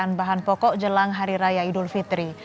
bahan bahan pokok jelang hari raya idul fitri